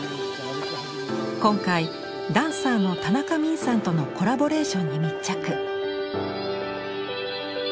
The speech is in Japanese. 今回ダンサーの田中泯さんとのコラボレーションに密着。